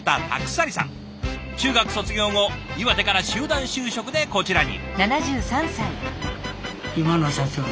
中学卒業後岩手から集団就職でこちらに。